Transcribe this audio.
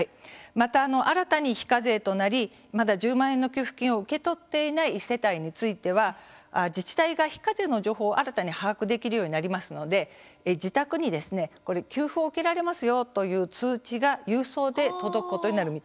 また、新たに非課税となりまだ１０万円の給付金を受け取っていない世帯については自治体が非課税の情報を新たに把握できるようになりますので自宅に、給付を受けられますよという通知が郵送で届くことになる見通しです。